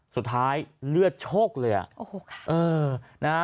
สุดท้ายเลือดโชคเลยอะ